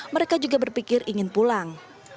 mereka juga berpikir ingin pulang